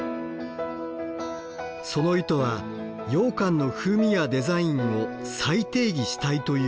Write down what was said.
その意図はようかんの風味やデザインを再定義したいというもの。